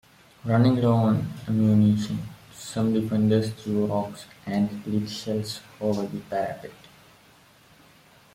Running low on ammunition, some defenders threw rocks and lit shells over the parapet.